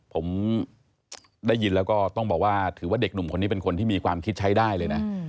ผมได้ยินแล้วก็ต้องบอกว่าถือว่าเด็กหนุ่มคนนี้เป็นคนที่มีความคิดใช้ได้เลยนะ